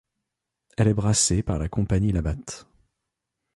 Elle est brassée par la compagnie Labatt.